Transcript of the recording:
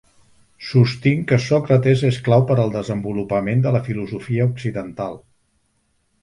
Sostinc que Sòcrates és clau per al desenvolupament de la filosofia occidental.